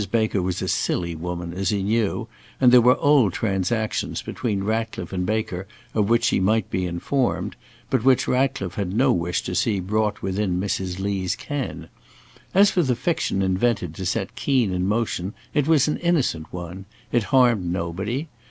Baker was a silly woman, as he knew, and there were old transactions between Ratcliffe and Baker of which she might be informed, but which Ratcliffe had no wish to see brought within Mrs. Lee's ken. As for the fiction invented to set Keen in motion, it was an innocent one. It harmed nobody.